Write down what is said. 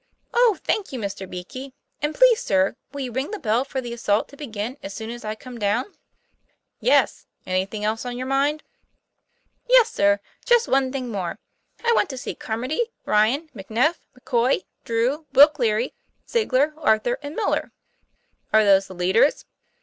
" Oh, thank you, Mr. Beakey! and please, sir, will you ring the bell for the assault to begin as soon as I come down ?" "Yes; anything else on your mind?" 'Yes, sir; just one thing more. I want to see Carmody, Ryan, McNeff, McCoy, Drew, Will Cleary, Ziegler, Arthur, and Miller." "Are those the leaders?"